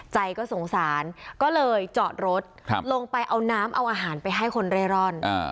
ใจก็สงสารก็เลยจอดรถลงไปเอาน้ำเอาอาหารไปให้คนเร่ร่อน